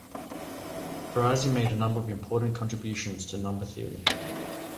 Farisi made a number of important contributions to number theory.